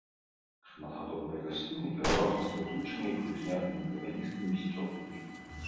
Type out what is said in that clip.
Шматгадовыя расліны пераважна з паўзучымі і прыўзнятымі дравяністымі сцёбламі.